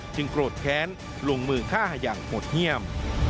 จึงโกรธแค้นลงมือฆ่าอย่างหมดเงียบ